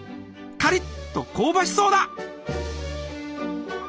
カリッと香ばしそうだ！